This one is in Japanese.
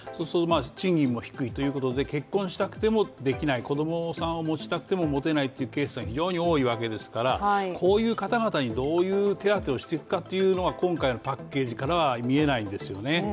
賃金も低いということで、結婚したくてもできない、子どもさんを持ちたくても持てないというケースが非常に多いわけですからこういう方々にどういう手当をしていくかというのが今回のパッケージからは見えないですよね。